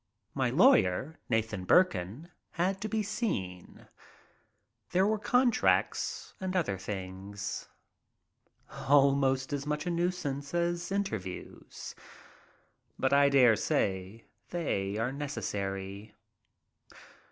My lawyer, Nathan Burkan, had to be seen. There were contracts and other things. Almost as much a nuisance as interviews. But I dare say they are necessary.